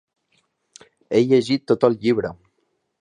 He llegit tot el llibre.